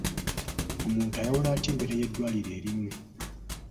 Omuntu ayawula atya embeera y'eddwaliro erimu?